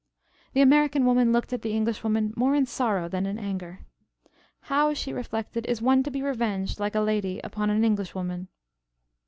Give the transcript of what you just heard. The American woman looked at the Englishwoman more in sorrow than in anger. "How," she reflected, "is one to be revenged like a lady upon an Englishwoman?"